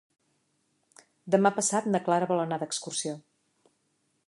Demà passat na Clara vol anar d'excursió.